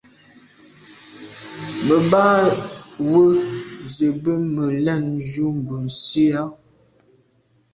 Me ba we ze be me lem ju mbwe Nsi à.